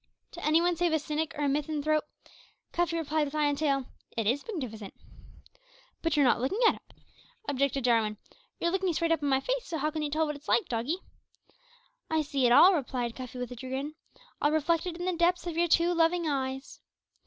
To any one save a cynic or a misanthrope, Cuffy replied with eye and tail, "It is magnificent." "But you're not looking at it," objected Jarwin, "you're looking straight up in my face; so how can you tell what it's like, doggie?" "I see it all," replied Cuffy with a grin; "all reflected in the depths of your two loving eyes."